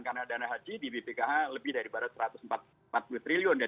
karena dana haji di bpkh lebih daripada satu ratus empat puluh triliun